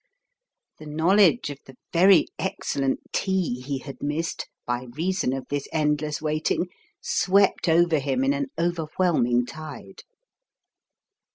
The knowledge of the very excellent tea he had missed, by reason of this endless waiting, swept over him in an overwhelming tide.